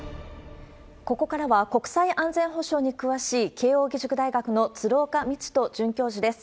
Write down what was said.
ここからは、国際安全保障に詳しい慶応義塾大学の鶴岡路人准教授です。